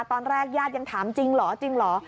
ตอนแรกญาติยังถามจริงเหรอจริงเหรอ